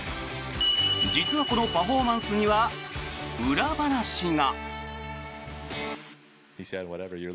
実はこのパフォーマンスには裏話が。